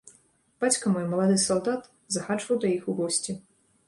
Бацька мой, малады салдат, захаджваў да іх у госці.